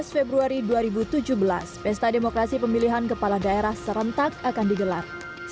tujuh belas februari dua ribu tujuh belas pesta demokrasi pemilihan kepala daerah serentak akan digelar